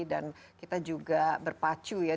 dan kita juga berpacu ya